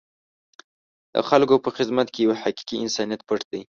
د خلکو په خدمت کې یو حقیقي انسانیت پټ دی.